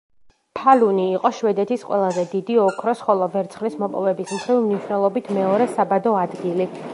ფალუნი იყო შვედეთის ყველაზე დიდი ოქროს, ხოლო ვერცხლის მოპოვების მხრივ, მნიშვნელობით მეორე საბადო ადგილი.